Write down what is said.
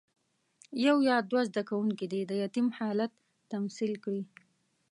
یو یا دوه زده کوونکي دې د یتیم حالت تمثیل کړي.